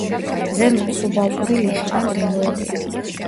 ზემოთ სუბალპური ლიხი და მდელოებია.